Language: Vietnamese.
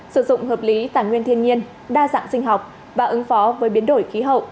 sử dụng hợp lý tài nguyên thiên nhiên đa dạng sinh học và ứng phó với biến đổi khí hậu